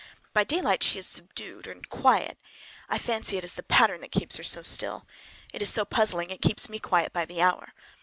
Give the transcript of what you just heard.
By daylight she is subdued, quiet. I fancy it is the pattern that keeps her so still. It is so puzzling. It keeps me quiet by the hour.